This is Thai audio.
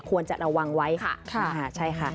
ควรจะระวังไว้ค่ะใช่ค่ะ